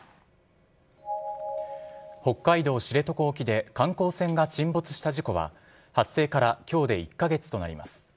北海道知床沖で観光船が沈没した事故は、発生からきょうで１か月となります。